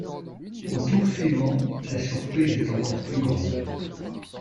Au tour suivant, la surprise est encore plus grande.